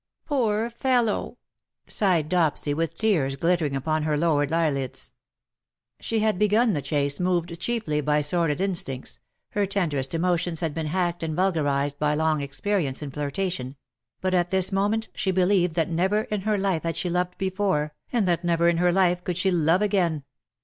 " Poor fellow V sighed Dopsy, with tears glitter ing upon her lowered eyelids. She had begun the chase moved chiefly by sordid instincts; her tenderest emotions had been hacked and vulgarized by long experience in flirtation— but at this moment she believed that never in her life had she loved before, and that never in her life could she love again.